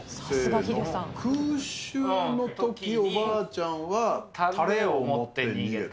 空襲のとき、おばあちゃんはたれを持って逃げた。